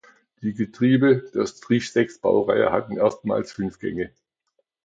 Die Getriebe der „Strich-Sechs“-Baureihe hatten erstmals fünf Gänge.